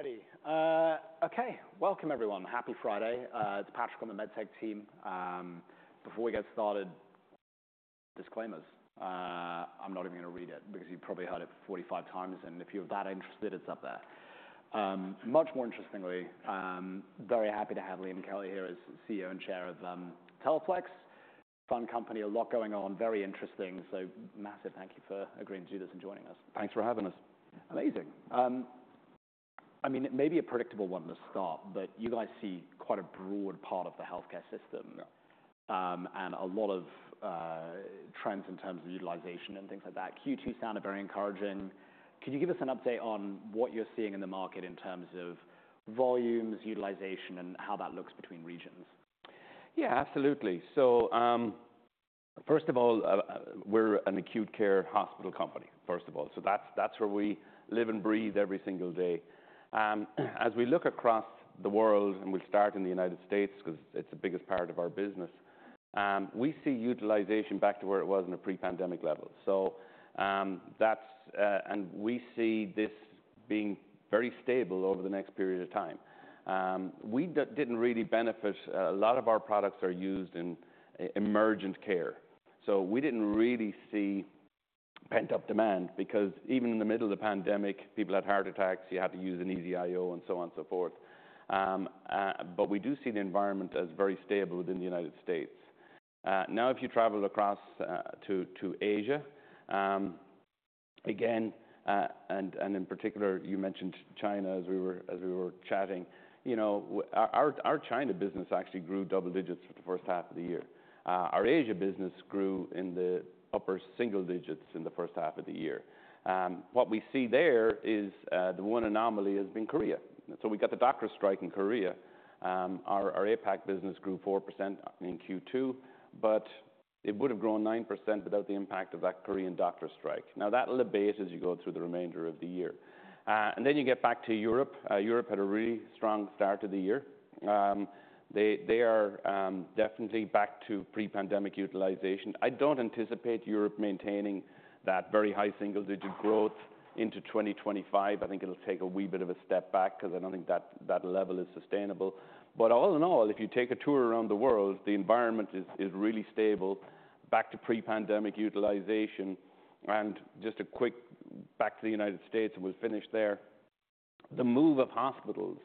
All righty. Okay. Welcome, everyone. Happy Friday. It's Patrick from the MedTech team. Before we get started, disclaimers. I'm not even gonna read it because you've probably heard it 45 times, and if you're that interested, it's up there. Much more interestingly, very happy to have Liam Kelly here as CEO and Chair of Teleflex. Fun company, a lot going on. Very interesting. So massive thank you for agreeing to do this and joining us. Thanks for having us. Amazing. I mean, it may be a predictable one to start, but you guys see quite a broad part of the healthcare system. Yeah. And a lot of trends in terms of utilization and things like that. Q2 sounded very encouraging. Could you give us an update on what you're seeing in the market in terms of volumes, utilization, and how that looks between regions? Yeah, absolutely. So, first of all, we're an acute care hospital company, first of all. So that's where we live and breathe every single day. As we look across the world, and we'll start in the United States, 'cause it's the biggest part of our business, we see utilization back to where it was in a pre-pandemic level. So, that's, and we see this being very stable over the next period of time. We didn't really benefit. A lot of our products are used in emergent care, so we didn't really see pent-up demand, because even in the middle of the pandemic, people had heart attacks, you had to use an EZ-IO and so on and so forth. But we do see the environment as very stable within the United States. Now, if you travel across to Asia, again, and in particular, you mentioned China as we were chatting, you know, our China business actually grew double digits for the first half of the year. Our Asia business grew in the upper single digits in the first half of the year. What we see there is, the one anomaly has been Korea. So we got the doctor strike in Korea. Our APAC business grew 4% in Q2, but it would have grown 9% without the impact of that Korean doctor strike. Now, that will abate as you go through the remainder of the year. And then you get back to Europe. Europe had a really strong start to the year. They are definitely back to pre-pandemic utilization. I don't anticipate Europe maintaining that very high single-digit growth into 2025. I think it'll take a wee bit of a step back, 'cause I don't think that level is sustainable. But all in all, if you take a tour around the world, the environment is really stable, back to pre-pandemic utilization. Just a quick back to the United States, and we'll finish there. The move of hospitals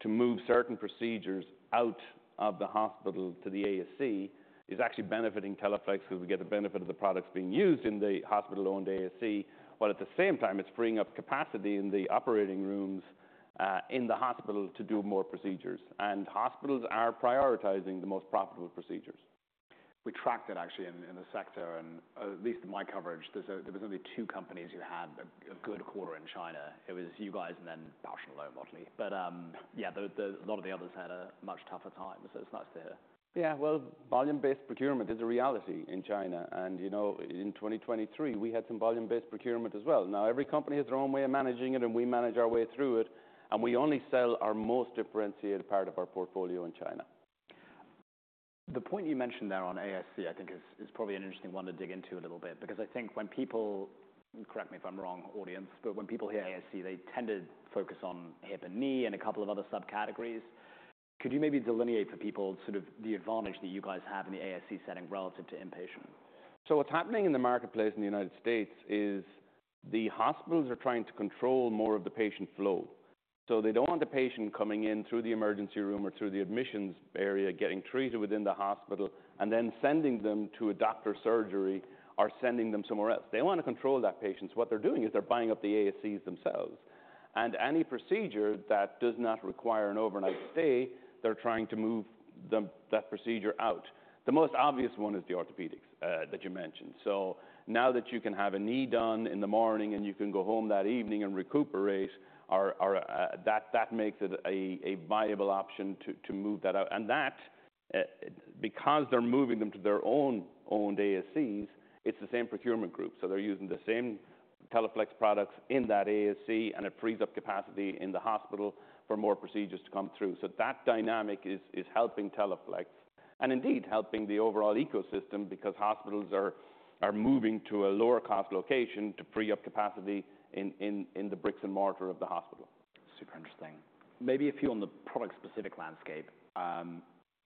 to move certain procedures out of the hospital to the ASC is actually benefiting Teleflex, because we get the benefit of the products being used in the hospital-owned ASC, while at the same time, it's freeing up capacity in the operating rooms in the hospital to do more procedures, and hospitals are prioritizing the most profitable procedures. We tracked it actually in the sector, and at least in my coverage, there was only two companies who had a good quarter in China. It was you guys and then Bausch + Lomb, oddly. But yeah. A lot of the others had a much tougher time, so it's nice to hear. Yeah, well, volume-based procurement is a reality in China and, you know, in 2023, we had some volume-based procurement as well. Now, every company has their own way of managing it, and we manage our way through it, and we only sell our most differentiated part of our portfolio in China. The point you mentioned there on ASC, I think is probably an interesting one to dig into a little bit, because I think when people, correct me if I'm wrong, audience, but when people hear ASC, they tend to focus on hip and knee and a couple of other subcategories. Could you maybe delineate for people sort of the advantage that you guys have in the ASC setting relative to inpatient? So what's happening in the marketplace in the United States is the hospitals are trying to control more of the patient flow. So they don't want the patient coming in through the emergency room or through the admissions area, getting treated within the hospital, and then sending them to a day surgery or sending them somewhere else. They want to control that patient, so what they're doing is they're buying up the ASCs themselves, and any procedure that does not require an overnight stay, they're trying to move that procedure out. The most obvious one is the orthopedics that you mentioned. So now that you can have a knee done in the morning, and you can go home that evening and recuperate, that makes it a viable option to move that out. That, because they're moving them to their own ASCs, it's the same procurement group. So they're using the same Teleflex products in that ASC, and it frees up capacity in the hospital for more procedures to come through. So that dynamic is helping Teleflex and indeed helping the overall ecosystem because hospitals are moving to a lower-cost location to free up capacity in the bricks and mortar of the hospital. Super interesting. Maybe a few on the product-specific landscape.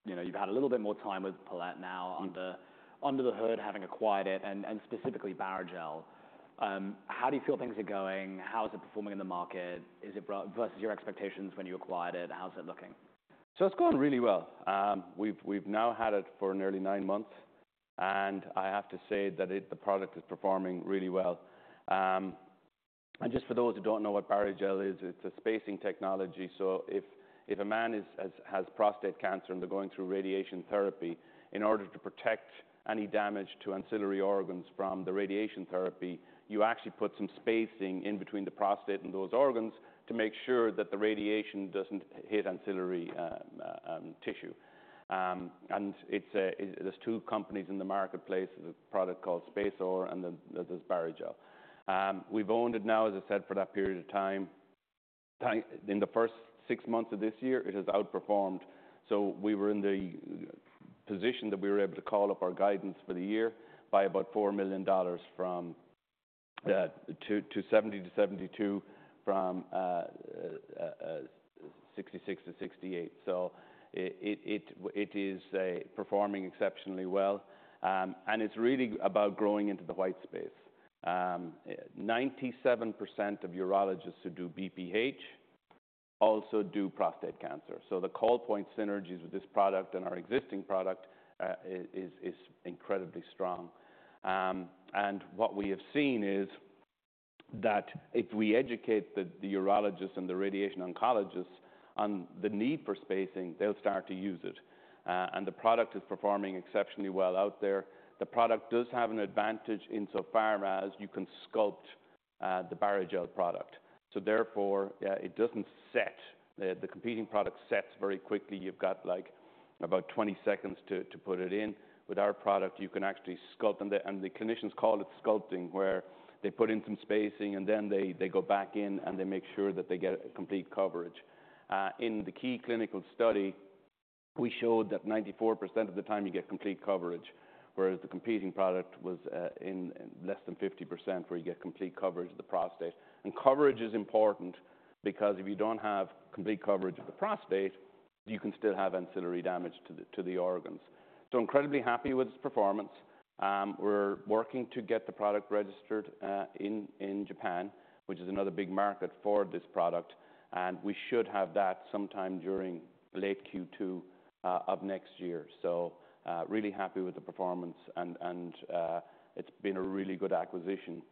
You know, you've had a little bit more time with Palette now under the hood, having acquired it, and specifically Barrigel. How do you feel things are going? How is it performing in the market? Is it pro-- versus your expectations when you acquired it, how's it looking? So it's going really well. We've now had it for nearly nine months, and I have to say that the product is performing really well. And just for those who don't know what Barrigel is, it's a spacing technology. So if a man has prostate cancer, and they're going through radiation therapy, in order to protect any damage to ancillary organs from the radiation therapy, you actually put some spacing in between the prostate and those organs to make sure that the radiation doesn't hit ancillary tissue. And there's two companies in the marketplace: There's a product called SpaceOAR, and then there's Barrigel. We've owned it now, as I said, for that period of time. In the first six months of this year, it has outperformed. So we were in the-... position that we were able to call up our guidance for the year by about $4 million from $70 to $72, from $66 to $68. So it is performing exceptionally well, and it's really about growing into the white space. 97% of urologists who do BPH also do prostate cancer. So the call point synergies with this product and our existing product is incredibly strong. And what we have seen is that if we educate the urologists and the radiation oncologists on the need for spacing, they'll start to use it. And the product is performing exceptionally well out there. The product does have an advantage insofar as you can sculpt the Barrigel product. So therefore, it doesn't set. The competing product sets very quickly. You've got, like, about 20 seconds to put it in. With our product, you can actually sculpt, and the clinicians call it sculpting, where they put in some spacing, and then they go back in, and they make sure that they get complete coverage. In the key clinical study, we showed that 94% of the time you get complete coverage, whereas the competing product was in less than 50%, where you get complete coverage of the prostate. And coverage is important because if you don't have complete coverage of the prostate, you can still have ancillary damage to the organs. So incredibly happy with its performance. We're working to get the product registered in Japan, which is another big market for this product, and we should have that sometime during late Q2 of next year. Really happy with the performance and it's been a really good acquisition.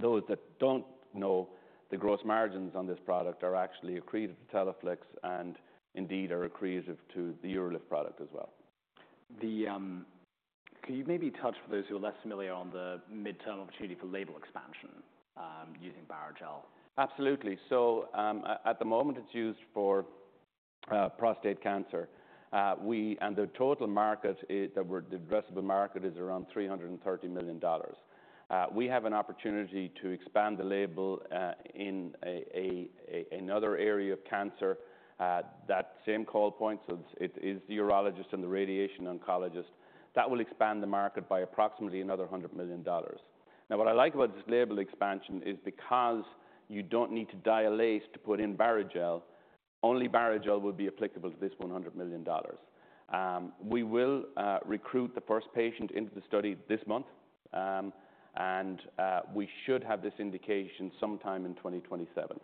Those that don't know, the gross margins on this product are actually accretive to Teleflex and indeed are accretive to the UroLift product as well. Can you maybe touch on the midterm opportunity for label expansion, using Barrigel? Absolutely. So, at the moment, it's used for prostate cancer. And the total market is the addressable market is around $330 million. We have an opportunity to expand the label in another area of cancer that same call point, so it's the urologist and the radiation oncologist. That will expand the market by approximately another $100 million. Now, what I like about this label expansion is because you don't need to dilate to put in Barrigel, only Barrigel will be applicable to this $100 million. We will recruit the first patient into the study this month, and we should have this indication sometime in 2027.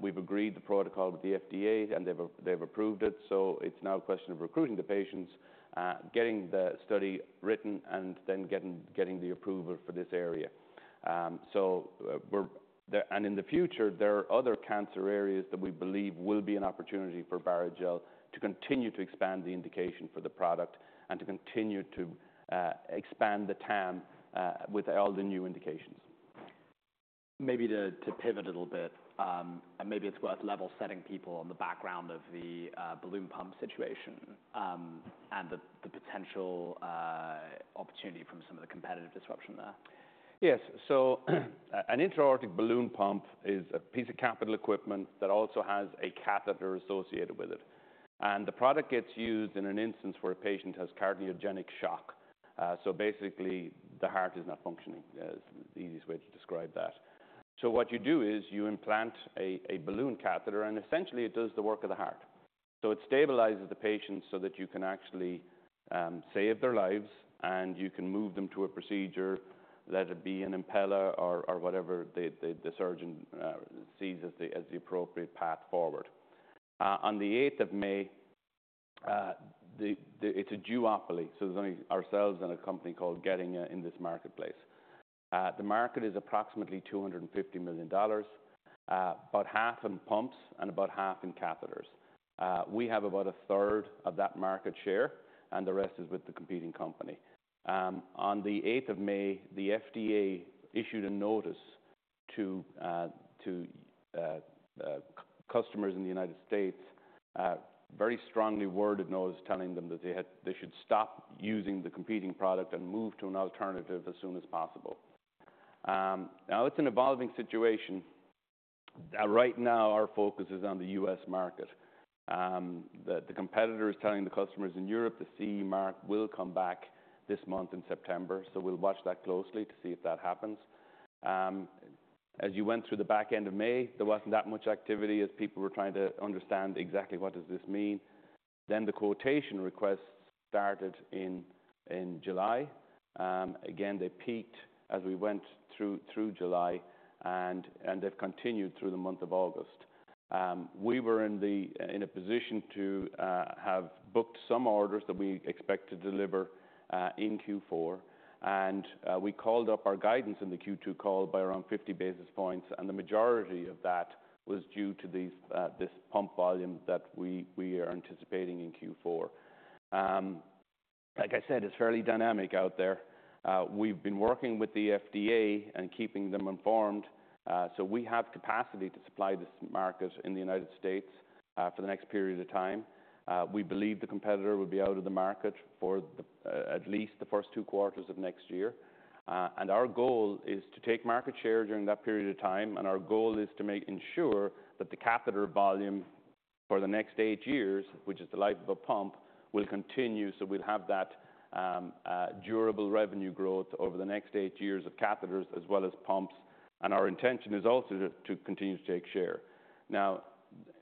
We've agreed the protocol with the FDA, and they've approved it, so it's now a question of recruiting the patients, getting the study written, and then getting the approval for this area, and in the future, there are other cancer areas that we believe will be an opportunity for Barrigel to continue to expand the indication for the product and to continue to expand the TAM, with all the new indications. Maybe to pivot a little bit, and maybe it's worth level setting people on the background of the balloon pump situation, and the potential opportunity from some of the competitive disruption there. Yes. So, an intra-aortic balloon pump is a piece of capital equipment that also has a catheter associated with it, and the product gets used in an instance where a patient has cardiogenic shock. So basically, the heart is not functioning is the easiest way to describe that. So what you do is you implant a balloon catheter, and essentially it does the work of the heart. So it stabilizes the patient so that you can actually save their lives, and you can move them to a procedure, let it be an Impella or whatever the surgeon sees as the appropriate path forward. On the 8th of May, it's a duopoly, so there's only ourselves and a company called Getinge in this marketplace. The market is approximately $250 million, about half in pumps and about half in catheters. We have about a third of that market share, and the rest is with the competing company. On the 8th of May, the FDA issued a notice to customers in the United States, very strongly worded notice telling them that they should stop using the competing product and move to an alternative as soon as possible. Now it's an evolving situation. Right now, our focus is on the U.S. market. The competitor is telling the customers in Europe, the CE mark will come back this month in September, so we'll watch that closely to see if that happens. As you went through the back end of May, there wasn't that much activity as people were trying to understand exactly what does this mean. Then the quotation requests started in July. Again, they peaked as we went through July and they've continued through the month of August. We were in a position to have booked some orders that we expect to deliver in Q4, and we called up our guidance in the Q2 call by around 50 basis points, and the majority of that was due to this pump volume that we are anticipating in Q4. Like I said, it's fairly dynamic out there. We've been working with the FDA and keeping them informed, so we have capacity to supply this market in the United States for the next period of time. We believe the competitor will be out of the market for at least the first two quarters of next year. Our goal is to take market share during that period of time, and our goal is to make sure that the catheter volume for the next eight years, which is the life of a pump, will continue. So we'll have that durable revenue growth over the next eight years of catheters as well as pumps, and our intention is also to continue to take share. Now,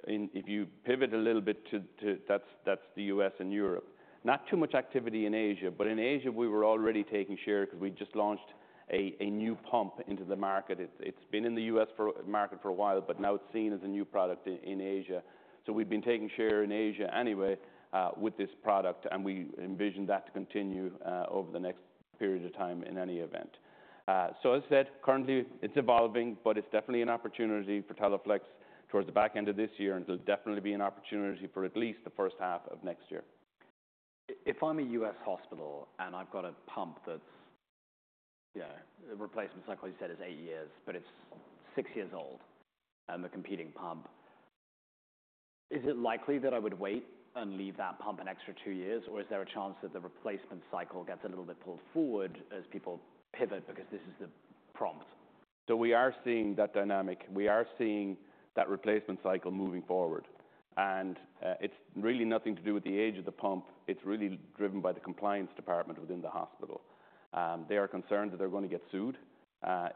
if you pivot a little bit to... that's the U.S. and Europe. Not too much activity in Asia, but in Asia we were already taking share because we just launched a new pump into the market. It's been in the U.S. market for a while, but now it's seen as a new product in Asia. So we've been taking share in Asia anyway with this product, and we envision that to continue over the next period of time in any event. So as I said, currently, it's evolving, but it's definitely an opportunity for Teleflex towards the back end of this year, and there'll definitely be an opportunity for at least the first half of next year. If I'm a U.S. hospital and I've got a pump that's, you know, the replacement cycle, you said, is eight years, but it's six years old and a competing pump, is it likely that I would wait and leave that pump an extra two years? Or is there a chance that the replacement cycle gets a little bit pulled forward as people pivot because this is the pump? So we are seeing that dynamic. We are seeing that replacement cycle moving forward, and it's really nothing to do with the age of the pump. It's really driven by the compliance department within the hospital. They are concerned that they're going to get sued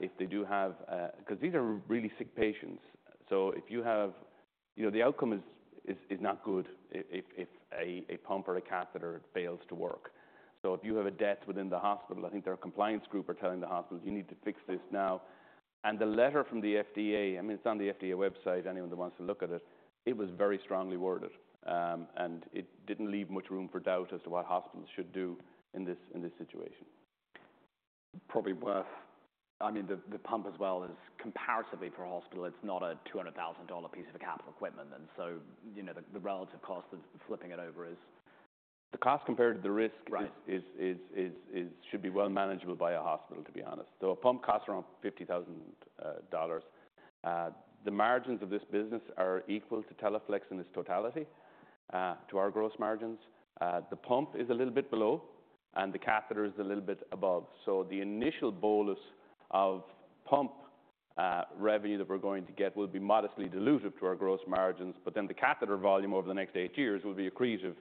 if they do have because these are really sick patients. So if you have... you know, the outcome is not good if a pump or a catheter fails to work. So if you have a death within the hospital, I think their compliance group are telling the hospitals, "You need to fix this now." And the letter from the FDA, I mean, it's on the FDA website, anyone that wants to look at it, it was very strongly worded. And it didn't leave much room for doubt as to what hospitals should do in this situation. Probably worth... I mean, the pump as well is comparatively for a hospital, it's not a $200,000 piece of capital equipment, and so, you know, the relative cost of flipping it over is- The cost compared to the risk- Right... should be well manageable by a hospital, to be honest. Though a pump costs around $50,000, the margins of this business are equal to Teleflex in its totality to our gross margins. The pump is a little bit below, and the catheter is a little bit above. So the initial bolus of pump revenue that we're going to get will be modestly dilutive to our gross margins, but then the catheter volume over the next eight years will be accretive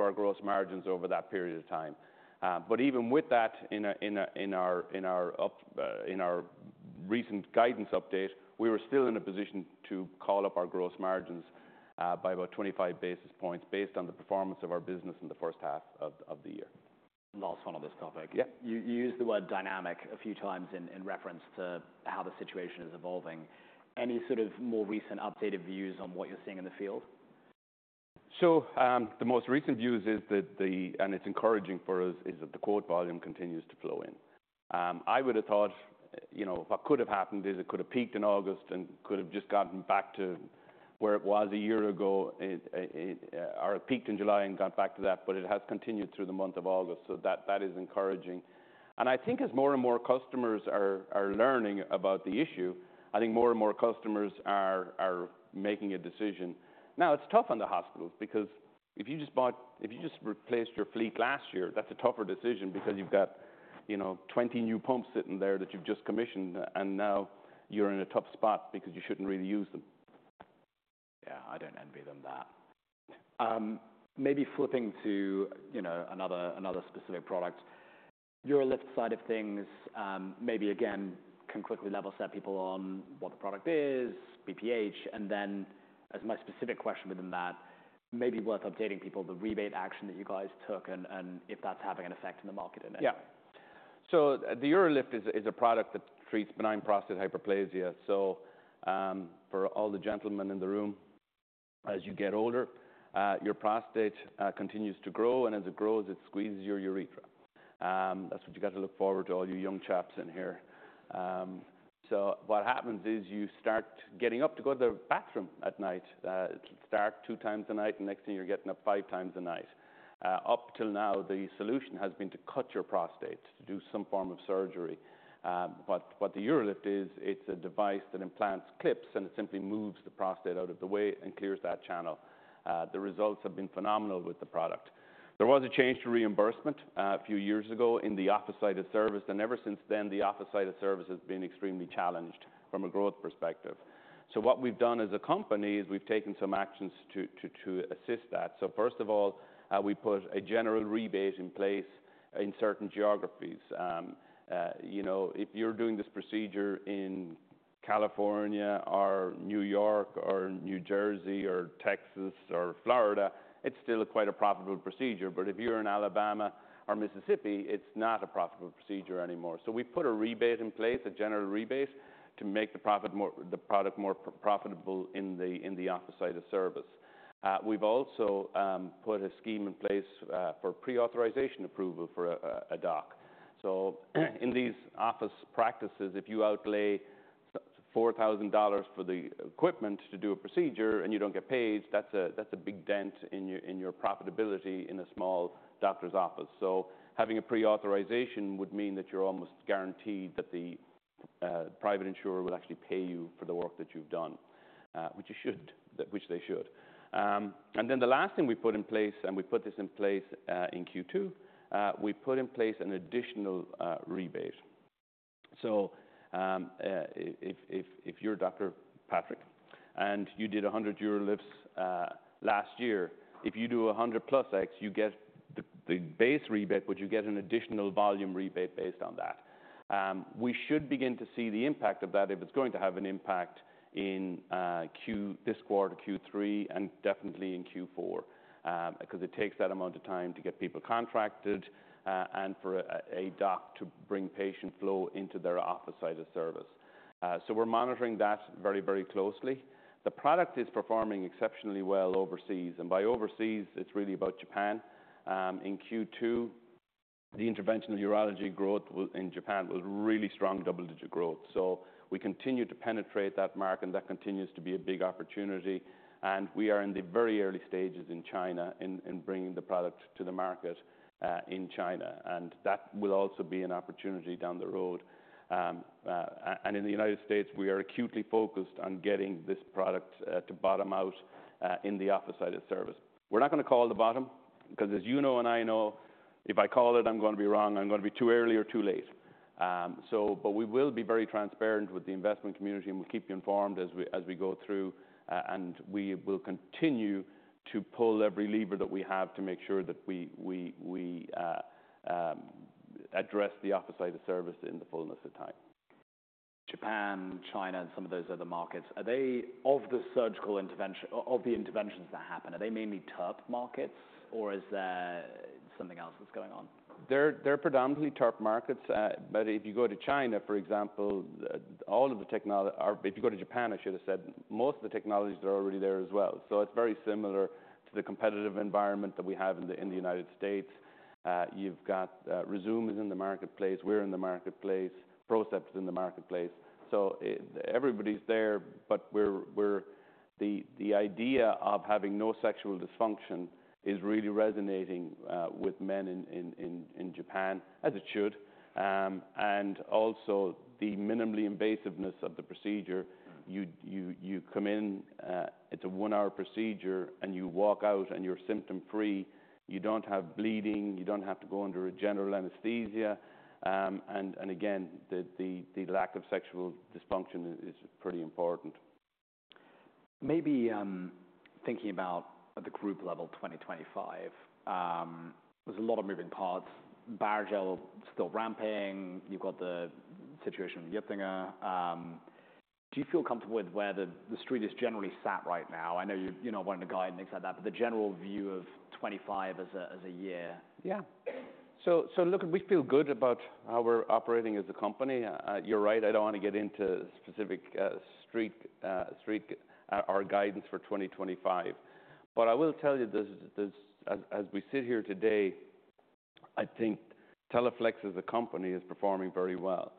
to our gross margins over that period of time. But even with that, in our recent guidance update, we were still in a position to call up our gross margins by about 25 basis points based on the performance of our business in the first half of the year. Last one on this topic. Yeah. You used the word dynamic a few times in reference to how the situation is evolving. Any sort of more recent updated views on what you're seeing in the field? So, the most recent news is that the... and it's encouraging for us, is that the quote volume continues to flow in. I would have thought, you know, what could have happened is it could have peaked in August and could have just gotten back to where it was a year ago, it or it peaked in July and got back to that, but it has continued through the month of August, so that is encouraging. And I think as more and more customers are learning about the issue, I think more and more customers are making a decision. Now, it's tough on the hospitals because if you just replaced your fleet last year, that's a tougher decision because you've got, you know, 20 new pumps sitting there that you've just commissioned, and now you're in a tough spot because you shouldn't really use them. Yeah, I don't envy them that. Maybe flipping to, you know, another specific product. UroLift side of things, maybe again, can quickly level set people on what the product is, BPH, and then as my specific question within that, maybe worth updating people the rebate action that you guys took and if that's having an effect in the market in any way? Yeah. So the UroLift is a product that treats benign prostate hyperplasia. So, for all the gentlemen in the room, as you get older, your prostate continues to grow, and as it grows, it squeezes your urethra. That's what you got to look forward to, all you young chaps in here. So what happens is you start getting up to go to the bathroom at night. It'll start two times a night, and next thing, you're getting up five times a night. Up till now, the solution has been to cut your prostate, to do some form of surgery. But the UroLift is a device that implants clips, and it simply moves the prostate out of the way and clears that channel. The results have been phenomenal with the product. There was a change to reimbursement a few years ago in the office [side] of service, and ever since then, the office [side] of service has been extremely challenged from a growth perspective. So what we've done as a company is we've taken some actions to assist that. So first of all, we put a general rebate in place in certain geographies. You know, if you're doing this procedure in California or New York or New Jersey or Texas or Florida, it's still quite a profitable procedure, but if you're in Alabama or Mississippi, it's not a profitable procedure anymore. So we've put a rebate in place, a general rebate, to make the product more profitable in the office [site] of service. We've also put a scheme in place for pre-authorization approval for a doc. So, in these office practices, if you outlay $4,000 for the equipment to do a procedure and you don't get paid, that's a big dent in your profitability in a small doctor's office. So having a pre-authorization would mean that you're almost guaranteed that the private insurer will actually pay you for the work that you've done, which you should, which they should. And then the last thing we put in place, we put this in place in Q2, we put in place an additional rebate. So, if you're Dr. Patrick and you did 100 UroLifts last year, if you do 100+ X, you get the base rebate, but you get an additional volume rebate based on that. We should begin to see the impact of that, if it's going to have an impact, in this quarter, Q3, and definitely in Q4. Because it takes that amount of time to get people contracted, and for a doc to bring patient flow into their office site of service. So we're monitoring that very, very closely. The product is performing exceptionally well overseas, and by overseas, it's really about Japan. In Q2, the interventional urology growth was, in Japan, was really strong double-digit growth. So we continue to penetrate that market, and that continues to be a big opportunity, and we are in the very early stages in China, bringing the product to the market in China. And that will also be an opportunity down the road. And in the United States, we are acutely focused on getting this product to bottom out in the office site of service. We're not gonna call the bottom, because as you know and I know, if I call it, I'm gonna be wrong. I'm gonna be too early or too late. We will be very transparent with the investment community, and we'll keep you informed as we go through, and we will continue to pull every lever that we have to make sure that we address the office site of service in the fullness of time. Japan, China, and some of those other markets, are they of the surgical interventions that happen, are they mainly TURP markets, or is there something else that's going on? They're predominantly TURP markets. But if you go to China, for example, or if you go to Japan, I should have said, most of the technologies are already there as well. So it's very similar to the competitive environment that we have in the United States. You've got Rezūm is in the marketplace, we're in the marketplace, Procept is in the marketplace, so everybody's there. But we're. The idea of having no sexual dysfunction is really resonating with men in Japan, as it should. And also the minimally invasiveness of the procedure. Mm. You come in, it's a one-hour procedure, and you walk out and you're symptom-free. You don't have bleeding, you don't have to go under a general anesthesia, and again, the lack of sexual dysfunction is pretty important. Maybe, thinking about at the group level 2025, there's a lot of moving parts. Barrigel still ramping, you've got the situation with Getinge. Do you feel comfortable with where the, the street is generally sat right now? I know you, you're not wanting to guide and things like that, but the general view of 2025 as a, as a year. Yeah. So look, we feel good about how we're operating as a company. You're right, I don't want to get into specific street our guidance for 2025. But I will tell you this, as we sit here today, I think Teleflex as a company is performing very well.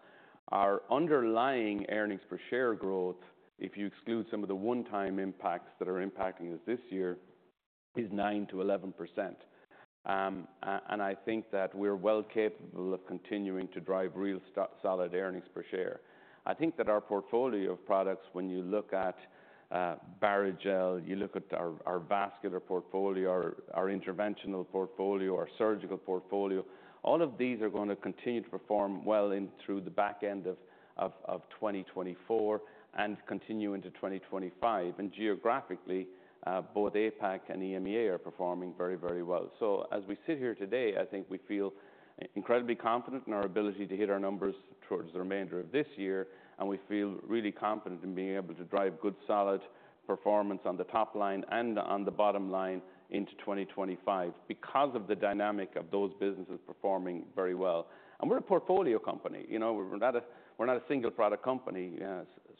Our underlying earnings per share growth, if you exclude some of the one-time impacts that are impacting us this year, is 9%-11%. And I think that we're well capable of continuing to drive real solid earnings per share. I think that our portfolio of products, when you look at Barrigel, you look at our vascular portfolio, our interventional portfolio, our surgical portfolio, all of these are gonna continue to perform well through the back end of 2024, and continue into 2025. And geographically, both APAC and EMEA are performing very, very well. So as we sit here today, I think we feel incredibly confident in our ability to hit our numbers towards the remainder of this year, and we feel really confident in being able to drive good, solid performance on the top line and on the bottom line into 2025, because of the dynamic of those businesses performing very well. And we're a portfolio company, you know. We're not a single product company.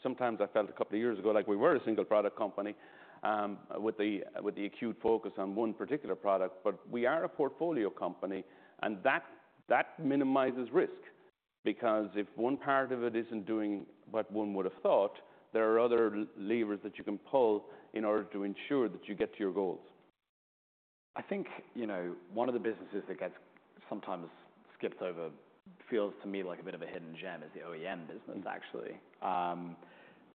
Sometimes I felt a couple of years ago, like we were a single product company, with the acute focus on one particular product. But we are a portfolio company, and that minimizes risk, because if one part of it isn't doing what one would have thought, there are other levers that you can pull in order to ensure that you get to your goals. I think, you know, one of the businesses that gets sometimes skipped over, feels to me like a bit of a hidden gem, is the OEM business, actually. Mm.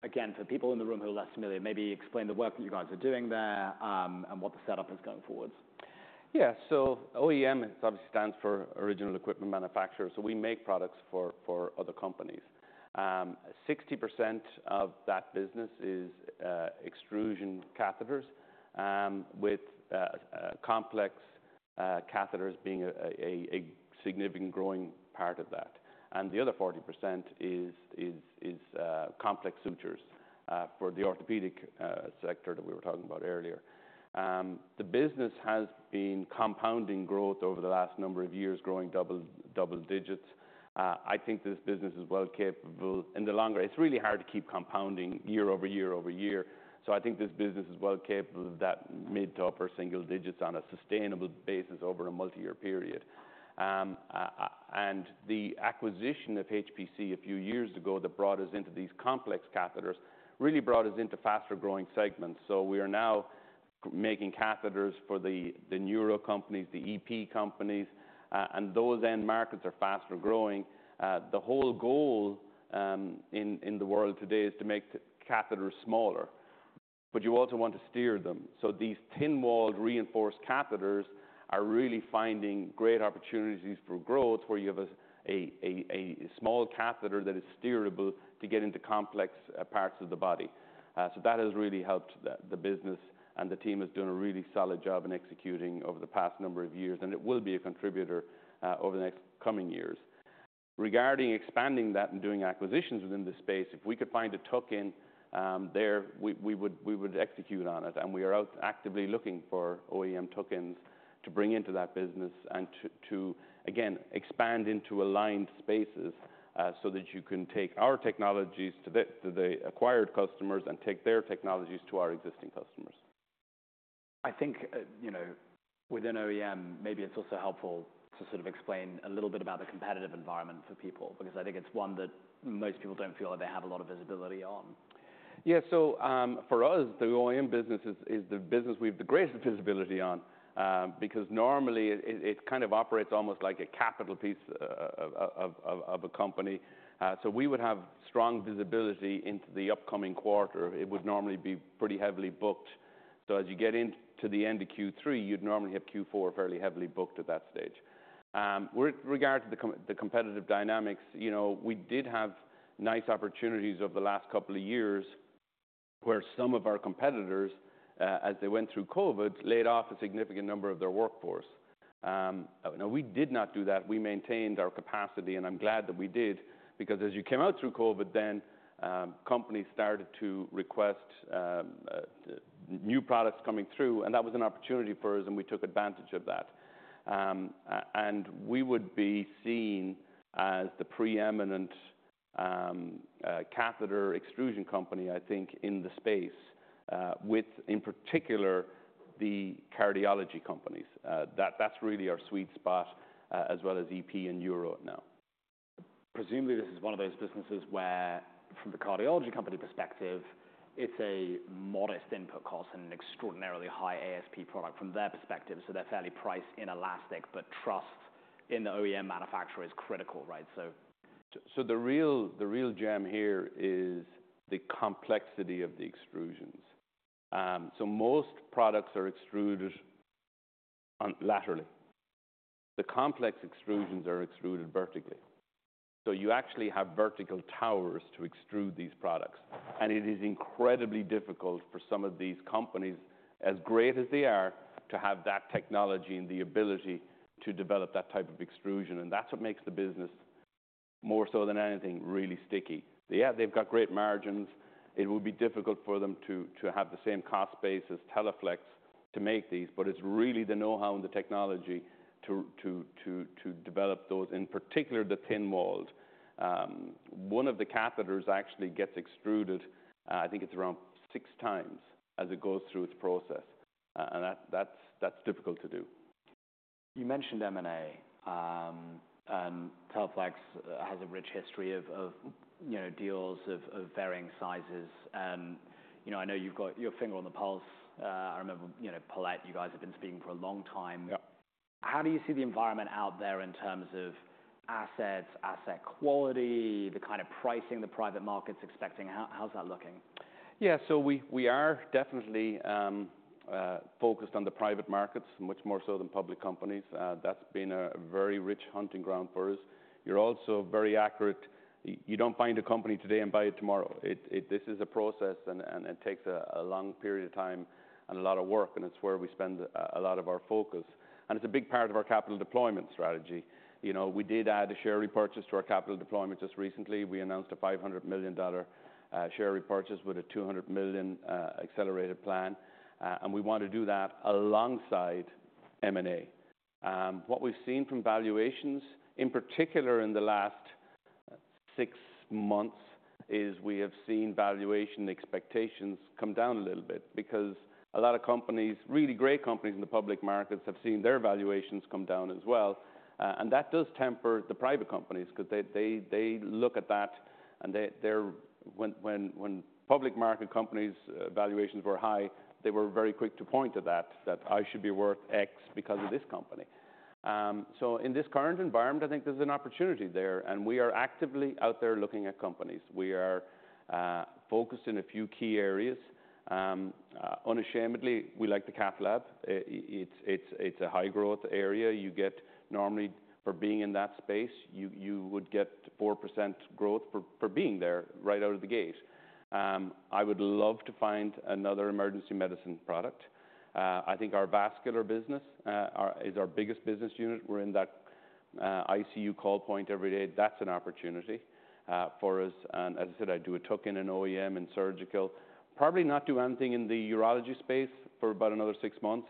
Again, for people in the room who are less familiar, maybe explain the work that you guys are doing there, and what the setup is going forwards. Yeah. So OEM obviously stands for original equipment manufacturer, so we make products for other companies. 60% of that business is extrusion catheters with complex catheters being a significant growing part of that. And the other 40% is complex sutures for the orthopedic sector that we were talking about earlier. The business has been compounding growth over the last number of years, growing double digits. I think this business is well capable in the longer... it's really hard to keep compounding year over year over year, so I think this business is well capable of that mid- to upper-single digits on a sustainable basis over a multi-year period. And the acquisition of HPC a few years ago, that brought us into these complex catheters, really brought us into faster-growing segments. So we are now making catheters for the neuro companies, the EP companies, and those end markets are faster growing. The whole goal in the world today is to make the catheters smaller, but you also want to steer them. So these thin-walled, reinforced catheters are really finding great opportunities for growth, where you have a small catheter that is steerable to get into complex parts of the body. So that has really helped the business, and the team has done a really solid job in executing over the past number of years, and it will be a contributor over the next coming years. Regarding expanding that and doing acquisitions within this space, if we could find a target there, we would execute on it, and we are actively looking for OEM targets to bring into that business and to again expand into aligned spaces, so that you can take our technologies to the acquired customers and take their technologies to our existing customers. I think, you know, within OEM, maybe it's also helpful to sort of explain a little bit about the competitive environment for people, because I think it's one that most people don't feel like they have a lot of visibility on. Yeah. So, for us, the OEM business is the business we've the greatest visibility on, because normally it kind of operates almost like a capital piece of a company. So we would have strong visibility into the upcoming quarter. It would normally be pretty heavily booked. So as you get into the end of Q3, you'd normally have Q4 fairly heavily booked at that stage. With regard to the competitive dynamics, you know, we did have nice opportunities over the last couple of years, where some of our competitors, as they went through COVID, laid off a significant number of their workforce. Now, we did not do that. We maintained our capacity, and I'm glad that we did, because as you came out through COVID, then, companies started to request new products coming through, and that was an opportunity for us, and we took advantage of that. And we would be seen as the preeminent catheter extrusion company, I think, in the space, with, in particular, the cardiology companies. That, that's really our sweet spot, as well as EP and neuro now. Presumably, this is one of those businesses where, from the cardiology company perspective, it's a modest input cost and an extraordinarily high ASP product from their perspective, so they're fairly price inelastic, but trust in the OEM manufacturer is critical, right? So- So the real gem here is the complexity of the extrusions. So most products are extruded horizontally. The complex extrusions are extruded vertically, so you actually have vertical towers to extrude these products, and it is incredibly difficult for some of these companies, as great as they are, to have that technology and the ability to develop that type of extrusion, and that's what makes the business, more so than anything, really sticky. Yeah, they've got great margins. It would be difficult for them to have the same cost base as Teleflex to make these, but it's really the know-how and the technology to develop those, in particular, the thin-walled. One of the catheters actually gets extruded, I think it's around 6x as it goes through its process, and that's difficult to do. You mentioned M&A, and Teleflex has a rich history of, you know, deals of varying sizes. You know, I know you've got your finger on the pulse. I remember, you know, Palette, you guys have been speaking for a long time. Yep. How do you see the environment out there in terms of assets, asset quality, the kind of pricing the private market's expecting? How, how's that looking? Yeah, so we are definitely focused on the private markets, much more so than public companies. That's been a very rich hunting ground for us. You're also very accurate. You don't find a company today and buy it tomorrow. This is a process, and it takes a long period of time and a lot of work, and it's where we spend a lot of our focus, and it's a big part of our capital deployment strategy. You know, we did add a share repurchase to our capital deployment just recently. We announced a $500 million share repurchase with a $200 million accelerated plan, and we want to do that alongside M&A. What we've seen from valuations, in particular in the last six months, is we have seen valuation expectations come down a little bit because a lot of companies, really great companies in the public markets, have seen their valuations come down as well. And that does temper the private companies 'cause they look at that, and they're... When public market companies' valuations were high, they were very quick to point to that, "I should be worth X because of this company." So in this current environment, I think there's an opportunity there, and we are actively out there looking at companies. We are focused in a few key areas. Unashamedly, we like the cath lab. It's a high growth area. You get normally, for being in that space, you would get 4% growth for being there right out of the gate. I would love to find another emergency medicine product. I think our vascular business is our biggest business unit. We're in that ICU call point every day. That's an opportunity for us, and as I said, I'd do a token in OEM and surgical. Probably not do anything in the urology space for about another six months.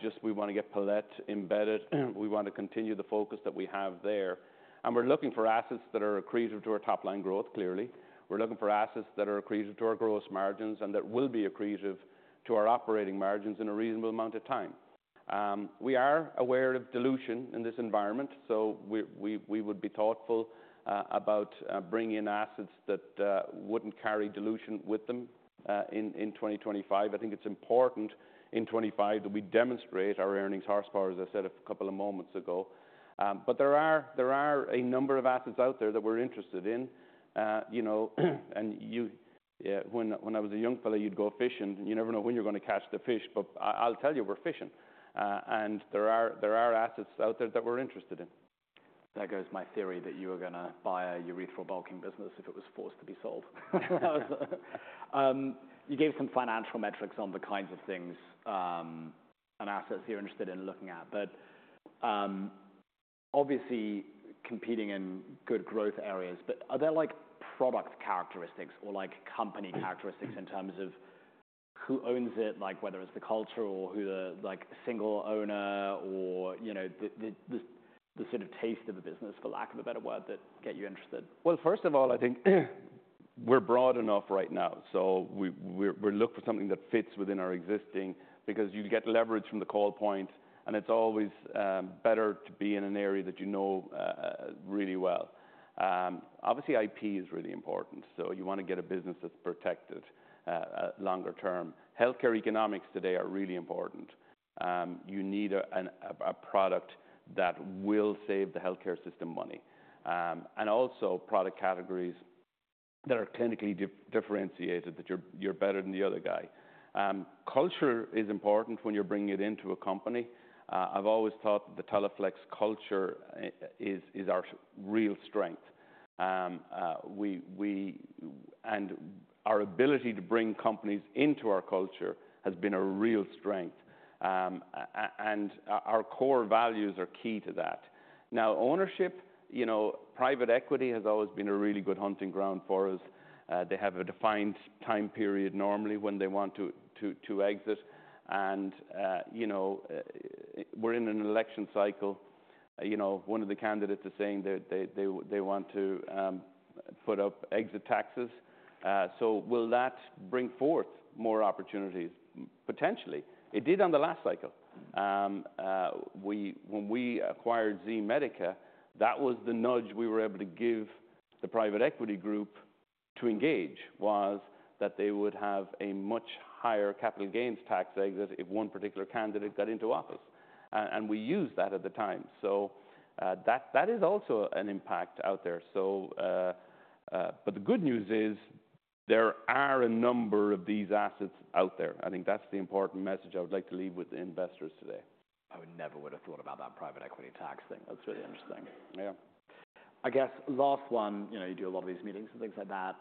Just we wanna get Palette embedded. We want to continue the focus that we have there, and we're looking for assets that are accretive to our top line growth, clearly. We're looking for assets that are accretive to our gross margins and that will be accretive to our operating margins in a reasonable amount of time. We are aware of dilution in this environment, so we would be thoughtful about bringing in assets that wouldn't carry dilution with them in 2025. I think it's important in 2025 that we demonstrate our earnings horsepower, as I said a couple of moments ago, but there are a number of assets out there that we're interested in. You know, when I was a young fellow, you'd go fishing, and you never know when you're gonna catch the fish, but I'll tell you, we're fishing, and there are assets out there that we're interested in. There goes my theory that you were gonna buy a urethral bulking business if it was forced to be sold. You gave some financial metrics on the kinds of things and assets you're interested in looking at, but obviously competing in good growth areas. But are there, like, product characteristics or, like, company characteristics in terms of who owns it, like, whether it's the culture or who the, like, single owner or, you know, the sort of taste of the business, for lack of a better word, that get you interested? First of all, I think we're broad enough right now, so we look for something that fits within our existing. Because you get leverage from the call point, and it's always better to be in an area that you know really well. Obviously, IP is really important, so you wanna get a business that's protected longer term. Healthcare economics today are really important. You need a product that will save the healthcare system money, and also product categories that are clinically differentiated, that you're better than the other guy. Culture is important when you're bringing it into a company. I've always thought that the Teleflex culture is our real strength, and our ability to bring companies into our culture has been a real strength. Our core values are key to that. Now, ownership, you know, private equity has always been a really good hunting ground for us. They have a defined time period, normally, when they want to exit. And, you know, we're in an election cycle. You know, one of the candidates is saying that they want to put up exit taxes, so will that bring forth more opportunities? Potentially. It did on the last cycle. When we acquired Z-Medica, that was the nudge we were able to give the private equity group to engage, was that they would have a much higher capital gains tax exit if one particular candidate got into office. And we used that at the time. So, that is also an impact out there. So, but the good news is, there are a number of these assets out there. I think that's the important message I would like to leave with the investors today. I would never have thought about that private equity tax thing. That's really interesting. Yeah. I guess last one, you know, you do a lot of these meetings and things like that.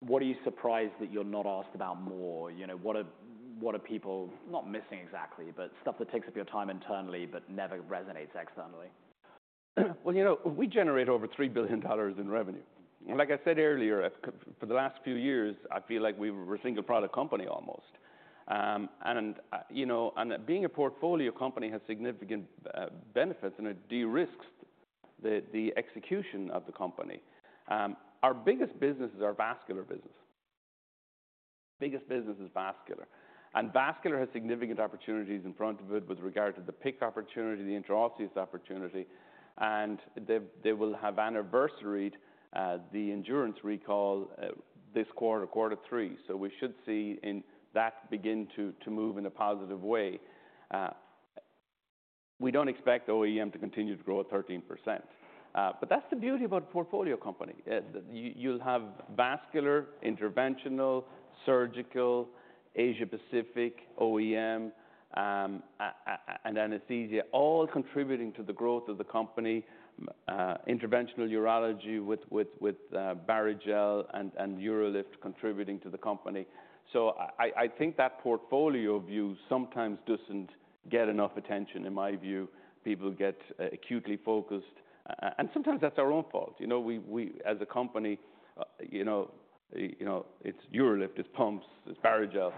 What are you surprised that you're not asked about more? You know, what are people not missing exactly, but stuff that takes up your time internally but never resonates externally? You know, we generate over $3 billion in revenue. And like I said earlier, for the last few years, I feel like we were a single product company almost. And you know, and being a portfolio company has significant benefits and it de-risks the execution of the company. Our biggest business is our vascular business. Biggest business is vascular, and vascular has significant opportunities in front of it with regard to the PICC opportunity, the intraosseous opportunity, and they will have anniversaried the Endurance recall this quarter, quarter three. So we should see in that begin to move in a positive way. We don't expect OEM to continue to grow at 13%. But that's the beauty about a portfolio company. You'll have vascular, interventional, surgical, Asia Pacific, OEM, and anesthesia, all contributing to the growth of the company. Interventional urology with Barrigel and UroLift contributing to the company, so I think that portfolio view sometimes doesn't get enough attention, in my view. People get acutely focused, and sometimes that's our own fault. You know, we as a company, you know, it's UroLift, it's pumps, it's Barrigel.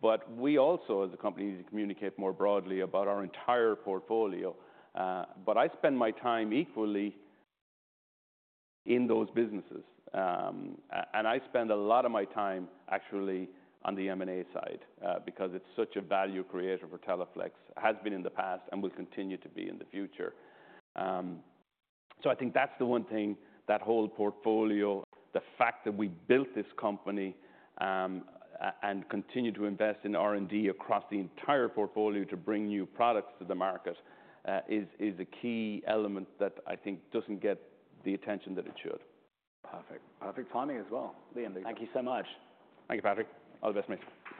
But we also, as a company, need to communicate more broadly about our entire portfolio, but I spend my time equally in those businesses, and I spend a lot of my time actually on the M&A side, because it's such a value creator for Teleflex, has been in the past and will continue to be in the future. So I think that's the one thing, that whole portfolio, the fact that we built this company, and continue to invest in R&D across the entire portfolio to bring new products to the market, is a key element that I think doesn't get the attention that it should. Perfect. Perfect timing as well. Thank you so much. Thank you, Patrick. All the best, mate.